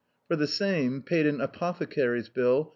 For the same, paid an apothecary's bill.